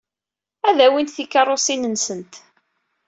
Ad awyent tikeṛṛusin-nsent.